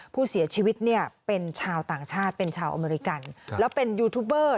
ผู้เสียชีวิตเนี่ยเป็นชาวต่างชาติเป็นชาวอเมริกันแล้วเป็นยูทูบเบอร์